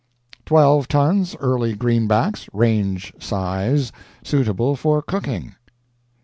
Twelve tons early greenbacks, range size, suitable for cooking.